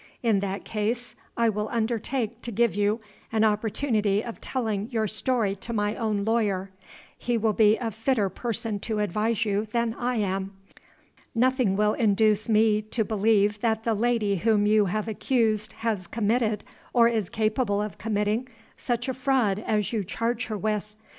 In that case I will undertake to give you an opportunity of telling your story to my own lawyer. He will be a fitter person to advise you than I am. Nothing will induce we to believe that the lady whom you have accused has committed, or is capable of committing, such a fraud as you charge her with.